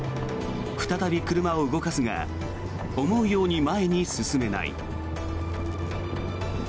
再び車を動かすが思うように前に進めない。